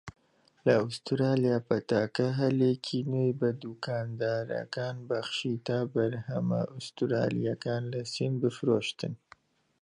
لە ئوستراڵیا، پەتاکە هەلێکی نوێی بە دوکاندارەکان بەخشی تا بەرهەمە ئوستڕاڵیەکان لە سین بفرۆشتن.